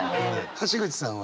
橋口さんは？